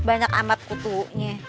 banyak amat kutunya